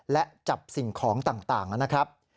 และจับสิ่งของต่างนะครับ